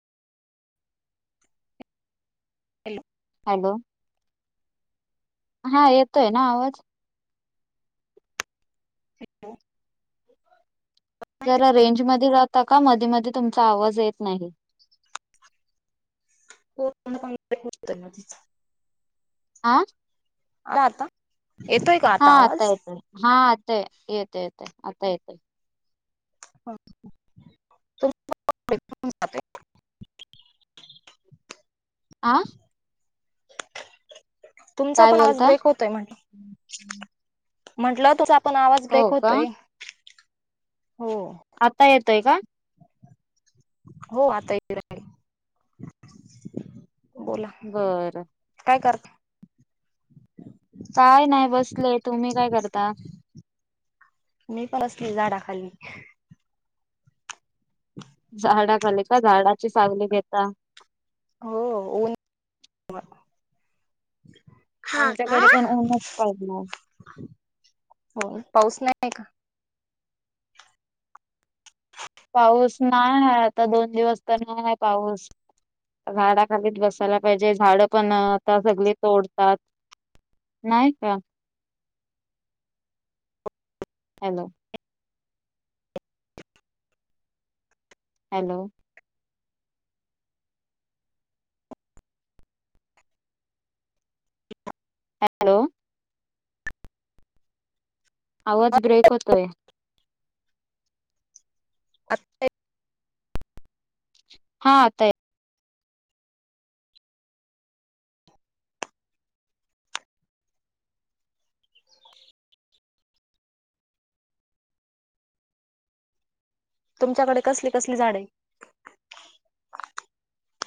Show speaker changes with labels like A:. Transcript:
A: Hello.
B: Hello. हां येतोय ना आवाज?
A: हॅलो.
B: जरा रेंज मध्ये राहता का मध. मधी मधी तुमचा आवाज येत नाही.
A: होतं ना तिचं. [unintelligible]
B: आ.
A: आता. येतोय का
B: हां आता
A: आवाज
B: येतोय हां आता येतय येतय आता येतय.
A: [unintelligible]
B: आ.
A: तुमचा
B: काय
A: पण आवाज
B: बोलता
A: ब्रेक होतोय म्हट. म्हंटल तुझा पण आवाज ब्रेक
B: हो का
A: होतोय हो.
B: आता येतोय का?
A: हो आता येतोय.
B: बरं. काय नाही बसले तुम्ही काय करता.
A: मी पण असली झाडाखाली
B: झाडाखाली का झाडाची सावली घेता.
A: हो उन ना. हा का?
B: आमच्याकडे पण ऊनच पडलं
A: हो पाऊस नाही. नाही का.
B: पाऊस नाय हाय आता दोन दिवस तर नाय हाय पाऊस. झाडाखालीच बसायला पाहिजे झाड पण आता सगळी तोडतात. नाय का? हॅलो. हॅलो. हॅलो! आवाज ब्रेक होतोय?
A: आता
B: हा आता येताय
A: तुमच्याकडे कसली कसली झाडे आहे?